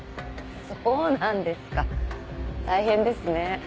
そうなんですか大変ですね。